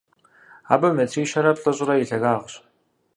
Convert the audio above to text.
Абы метрищэрэ плӏыщӏрэ и лъагагъщ.